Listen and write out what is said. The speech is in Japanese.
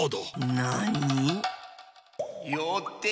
なに？